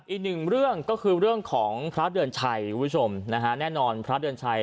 อีกหนึ่งเรื่องก็คือเรื่องของพระเดือนชัยคุณผู้ชมนะฮะแน่นอนพระเดือนชัย